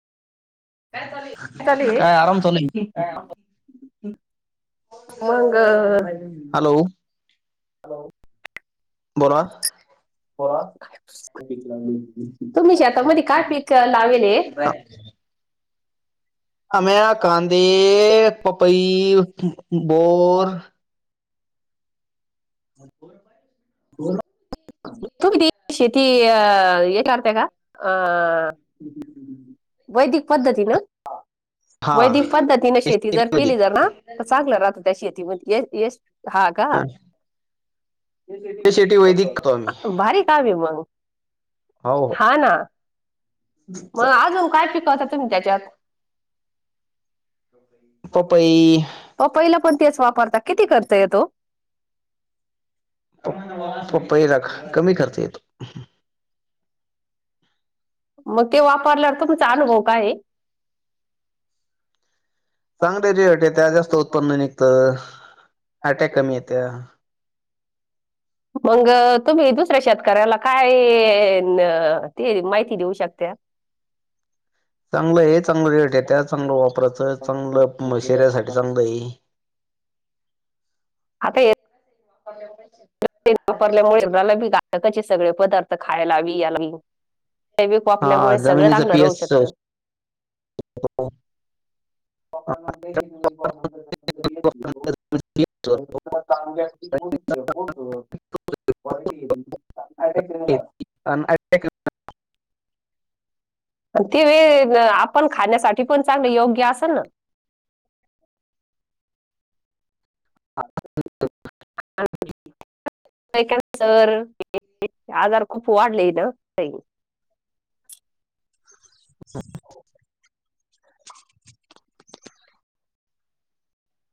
काय चाललंय? [inaudible] मंग हॅलो हॅलो, बोला. बोला. तुम्ही शेतामध्ये काय पीक लावले? आमया कांदे, पपई, बोर हो. बोला. तुम्ही ती शेती हे करते का? अ वैदिक पद्धतीनं हा वैदिक पद्धतीने शेती ते जर केली जर ना, तर चांगलं राहतं त्या शेतीमध्ये यश यश. हा का? शेती वैदिक करतो आम्ही भारी काम आहे मंग. हो हो. हा ना, मग अजून काय पिकवता तुम्ही त्याच्यात? हो गं बाई. पपई प पहिला पण तेच वापरता किती खर्च येतो वो? पपई चा कमी खर्च येतो. मग ते वापरल्यावर, तुमचा अनुभव काय आहे? चांगल्या रेट येत्या, जास्त उत्पन्न निघतं. आट्या कमी येत्या. मग तुम्ही दुसऱ्या शेतकऱ्याला काय माहिती देऊ शकता? चांगलं आहे, चांगलं रेट येत्या. चांगलं वापरायचं. चांगलं म शेऱ्यासाठी चांगलं आहे. आता येत [unintelligible] तेल वापरल्यामुळे [inaudible] सगळे पदार्थ खाय लागली याय लाग सैविक हा वापरल्यामुळे सगळं जमिनीचा चांगलं पीएच राहु शकत असतो. [inaudible] हो [unintelligible] क्वालिटी येतं [inaudible] ते वेळ आपण खाण्यासाठी पण चांगल योग्य असल ना [unintelligible] आजार खूप वाढले इथ ताई [unintelligible] [unintelligible]